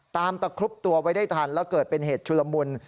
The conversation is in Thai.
ตะครุบตัวไว้ได้ทันแล้วเกิดเป็นเหตุชุลมุน